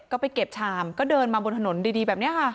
ก็ไปเก็บชามก็เดินมาบนถนนดีแบบนี้ค่ะ